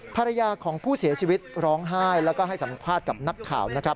ภรรยาของผู้เสียชีวิตร้องไห้แล้วก็ให้สัมภาษณ์กับนักข่าวนะครับ